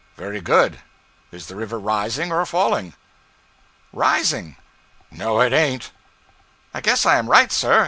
'Very good. Is the river rising or falling?' 'Rising.' 'No it ain't.' 'I guess I am right, sir.